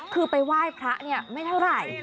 คือไปไหว้พระเนี่ยไม่เท่าไหร่